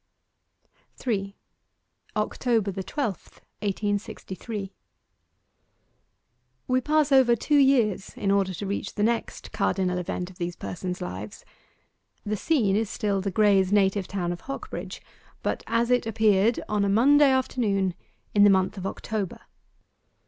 3. OCTOBER THE TWELFTH, 1863 We pass over two years in order to reach the next cardinal event of these persons' lives. The scene is still the Grayes' native town of Hocbridge, but as it appeared on a Monday afternoon in the month of October.